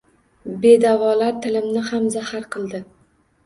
Bedavolar tilimni ham zahar qildi